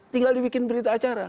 tinggal dibikin berita acara